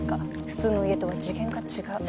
普通の家とは次元が違う。